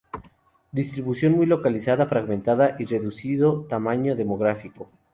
Distribución muy localizada, fragmentada y de reducido tamaño demográfico.